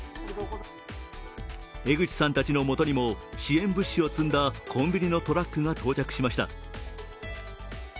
江口さんたちの元にも支援物資を積んだコンビニのトラックが到着しました。